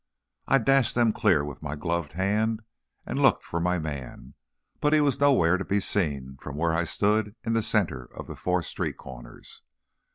I dashed them clear with my gloved hand, and looked for my man, but he was nowhere to be seen from where I stood in the center of the four street corners.